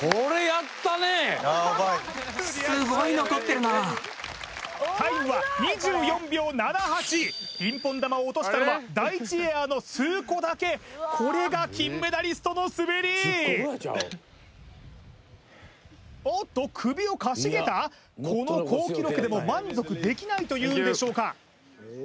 やばいタイムは２４秒７８ピンポン球を落としたのは第１エアの数個だけこれが金メダリストの滑りおっと首をかしげたこの好記録でも満足できないというんでしょうか？